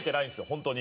本当に。